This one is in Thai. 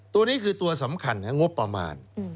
ตัวนี้คือตัวสำคัญงบประมาณ